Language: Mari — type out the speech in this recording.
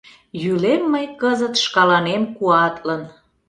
Йӱлем мый кызыт шкаланем куатлын.